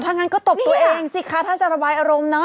ถ้างั้นก็ตบตัวเองสิคะถ้าจะระบายอารมณ์เนาะ